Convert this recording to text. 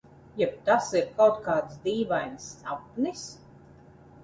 Jeb tas ir kaut kāds dīvains sapnis?